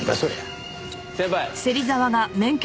先輩！